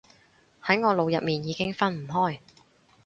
喺我腦入面已經分唔開